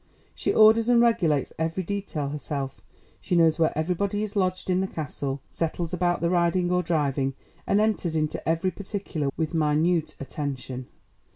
"She orders and regulates every detail herself; she knows where everybody is lodged in the Castle, settles about the riding or driving, and enters into every particular with minute attention."